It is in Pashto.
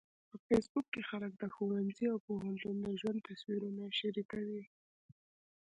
په فېسبوک کې خلک د ښوونځي او پوهنتون د ژوند تصویرونه شریکوي